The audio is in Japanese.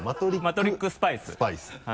マトリックスパイス。